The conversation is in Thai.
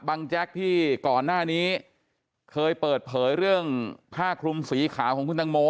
แจ๊กที่ก่อนหน้านี้เคยเปิดเผยเรื่องผ้าคลุมสีขาวของคุณตังโม